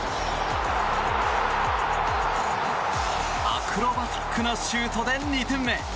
アクロバティックなシュートで２点目。